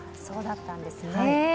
そうだったんですね。